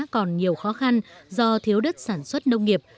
còn nhiều khó khăn do thiếu đất sản xuất nông nghiệp